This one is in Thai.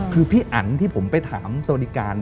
คือพี่อันที่ผมไปถามสวัสดิการ